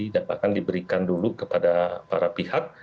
dan akan diberikan dulu kepada para pihak